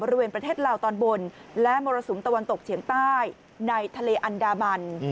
บริเวณประเทศลาวตอนบนและมรสุมตะวันตกเฉียงใต้ในทะเลอันดามัน